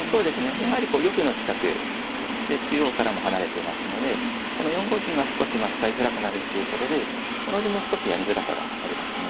やはりこう玉の近くで中央からも離れていますのでこの４五金が少しまあ使いづらくなるっていうことでこの順も少しやりづらさがありますね。